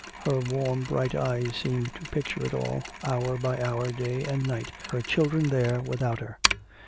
Her warm bright eyes seemed to picture it all, hour by hour, day and night, her children there without her.